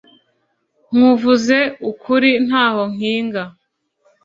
Nkuvuze ukuri ntaho nkinga